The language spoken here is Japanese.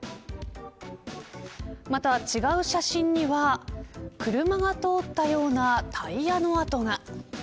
また、違う写真には車が通ったようなタイヤの跡が。